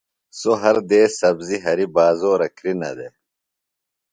سوۡ ہر دیس سبزیۡ ہریۡ بازورہ کِرنہ دےۡ۔